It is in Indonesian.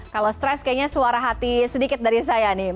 kalau stres kayaknya suara hati sedikit dari saya nih